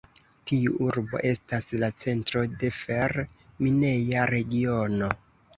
Tiu urbo estas la centro de fer-mineja regiono.